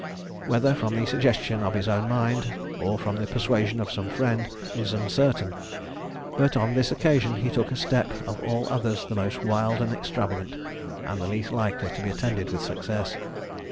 Whether from the suggestion of his own mind, or from the persuasion of some friend, is uncertain; but on this occasion he took a step of all others the most wild and extravagant, and the least likely to be attended with success.